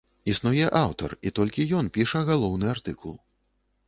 Існуе аўтар, і толькі ён піша галоўны артыкул.